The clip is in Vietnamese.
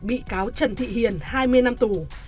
bị cáo trần thị hiền hai mươi năm tù